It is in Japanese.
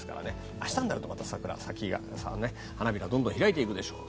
明日になるとまた桜、花びらがどんどん開いていくでしょう。